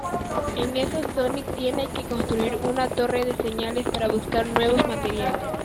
En eso Sonic tiene que construir una torre de señales para buscar nuevos materiales.